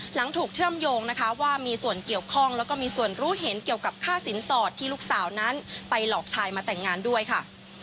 หลังถูกเชื่อมโยงนะคะว่ามีส่วนเกี่ยวข้องแล้วก็มีส่วนรู้เห็นเกี่ยวกับค่าสินสอดที่ลูกสาวนั้นไปหลอกชายมาแต่งงานด้วยค่ะ